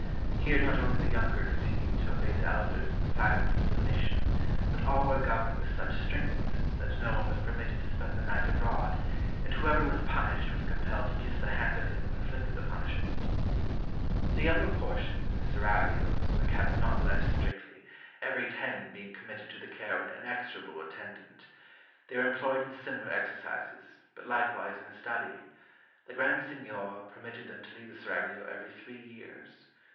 Here not only the younger continued to obey the elders in si lence and submission, but all were governed with such strictness that no one was permitted to spend the night abroad, and whoever was punished was compelled to kiss the hand of him who inflicted the punishment. The younger portion, in the seraglios, were kept not less strictly, every ten being committed to the care of an inexorable attendant. They were employed in similar exercises, but likewise in study. The grand seignior per mitted them to leave the seraglio every three years.